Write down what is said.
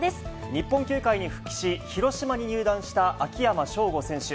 日本球界に復帰し、広島に入団した秋山翔吾選手。